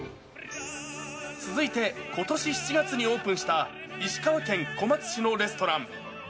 続いて、ことし７月にオープンした、石川県小松市のレストラン。